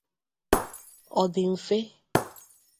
ọ dị mfe